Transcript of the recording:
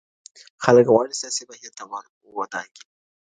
خلګ غواړي سياسي بهير ته ور ودانګي.